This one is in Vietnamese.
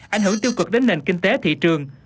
ảnh hưởng tiêu cực đến nền kinh tế thị trường